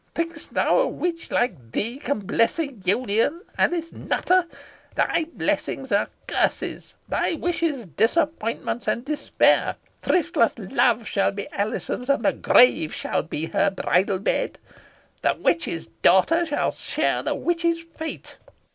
Think'st thou a witch like thee can bless an union, Alice Nutter? Thy blessings are curses, thy wishes disappointments and despair. Thriftless love shall be Alizon's, and the grave shall be her bridal bed. The witch's daughter shall share the witch's fate."